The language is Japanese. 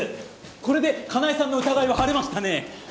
これでカナエさんの疑いは晴れましたね。